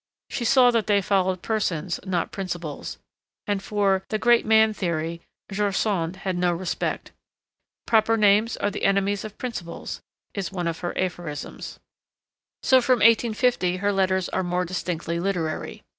She saw that they followed persons not principles, and for 'the great man theory' George Sand had no respect. 'Proper names are the enemies of principles' is one of her aphorisms. So from 1850 her letters are more distinctly literary.